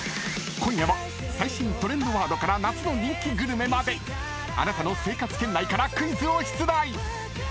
［今夜は最新トレンドワードから夏の人気グルメまであなたの生活圏内からクイズを出題！］